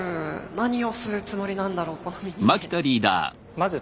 何をするつもりなんだろうこの耳で。